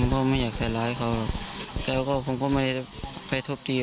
ผมก็ไม่อยากใส่ร้ายเขาแล้วก็ผมก็ไม่ทุบตี